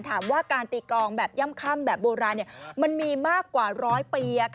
ถามว่าการตีกองแบบย่ำแบบโบราณมันมีมากกว่าร้อยปี